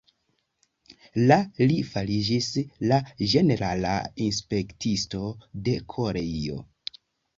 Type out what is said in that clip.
La li fariĝis la ĝenerala inspektisto de Koreio.